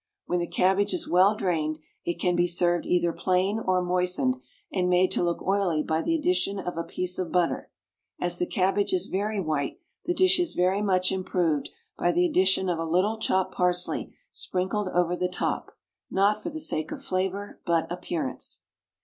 When the cabbage is well drained, it can be served either plain or moistened, and made to look oily by the addition of a piece of butter. As the cabbage is very white, the dish is very much improved by the addition of a little chopped parsley sprinkled over the top, not for the sake of flavour but appearance.